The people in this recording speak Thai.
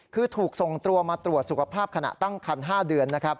คือถูกทรงตัวมาตรวจสุขภาพขณะตั้งครรภ์๕เดือน